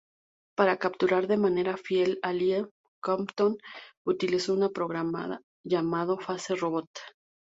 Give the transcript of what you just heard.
Para capturar de manera fiel a Lee, Capcom utilizó un programa llamado "Face Robot".